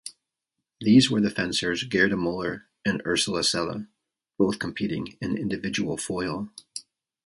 These were the fencers Gerda Muller and Ursula Selle, both competing in individual foil.